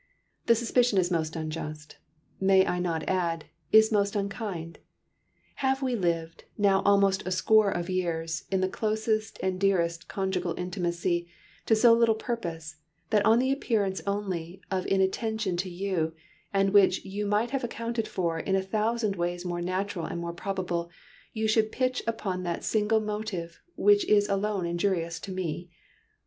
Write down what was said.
"The suspicion is most unjust; may I not add, is most unkind. Have we lived, now almost a score of years, in the closest and dearest conjugal intimacy to so little purpose, that on the appearance only, of inattention to you, and which you might have accounted for in a thousand ways more natural and more probable, you should pitch upon that single motive which is alone injurious to me?